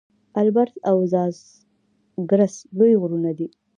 البرز او زاگرس لوی غرونه دي.